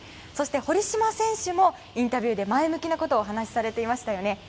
そして、堀島選手もインタビューで前向きなことをお話しされていましたよね。